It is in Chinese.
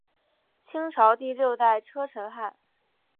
清朝第六代车臣汗。